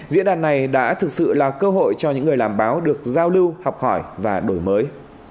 diễn đàn này đã thực sự là cơ hội cho những người làm báo được giao lưu học hỏi và đổi mới